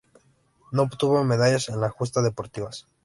No obtuvo medallas en las justas deportivas.